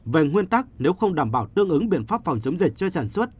về nguyên tắc nếu không đảm bảo tương ứng biện pháp phòng chống dịch cho sản xuất